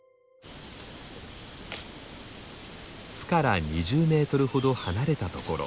巣から２０メートルほど離れたところ。